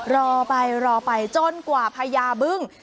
รอไปรอไปจนกว่าพญาบึ้ง